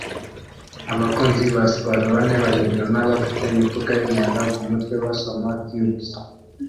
Abakunzi ba siporo bane bagendana bafite imifuka yimyanda kumutwe basoma CUBS